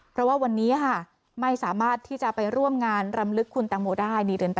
เพราะว่าวันนี้ค่ะไม่สามารถที่จะไปร่วมงานรำลึกคุณตังโมได้